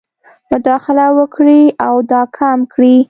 مداخله وکړي او دا کم کړي.